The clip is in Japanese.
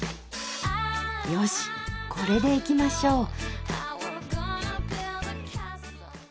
よしこれでいきましょう。